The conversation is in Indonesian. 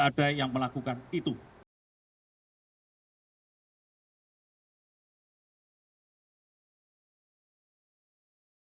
untuk beberapa orang saling melakukan hal menggaknes itu bisa tambah membunuh dia ke trat lotion cum brooklyn tipe